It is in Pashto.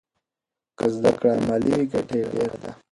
که زده کړه عملي وي ګټه یې ډېره ده.